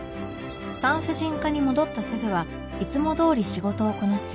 産婦人科に戻った鈴はいつもどおり仕事をこなす